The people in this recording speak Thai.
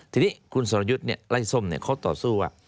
ทีนี้คุณสรยุทธ์ไล่ส้มเขาต่อสู้ว่า